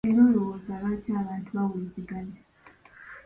Era olwooza lwaki abantu bawuliziganya?